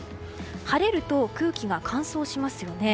晴れると、空気が乾燥しますよね。